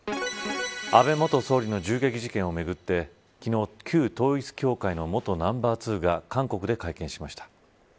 安倍元総理の銃撃事件をめぐって昨日、旧統一教会の元ナンバー２が韓国で会見しました。